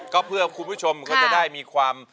ก็เพื่อคุณผู้ชมก็จะได้มีความ